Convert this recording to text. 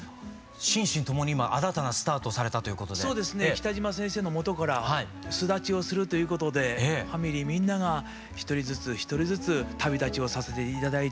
北島先生のもとから巣立ちをするということでファミリーみんなが一人ずつ一人ずつ旅立ちをさせて頂いて。